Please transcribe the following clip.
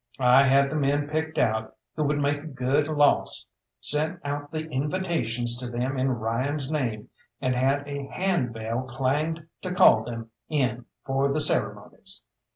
I had the men picked out who would make a good loss, sent out the invitations to them in Ryan's name, and had a hand bell clanged to call them in for the ceremonies.